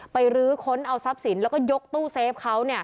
รื้อค้นเอาทรัพย์สินแล้วก็ยกตู้เซฟเขา